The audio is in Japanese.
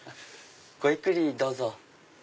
ごゆっくりどうぞ。